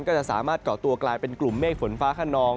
ก็จะสามารถเกาะตัวกลายเป็นกลุ่มเมฆฝนฟ้าขนอง